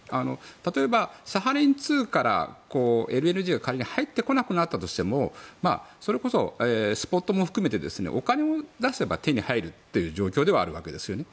例えばサハリン２からＬＮＧが仮に入ってこなくなったとしてもそれこそ、スポットも含めてお金を出せば手に入るという状況ではあるわけですよね。